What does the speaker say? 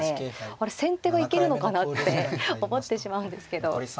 先手が行けるのかなって思ってしまうんですけど。